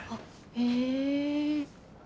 へえ。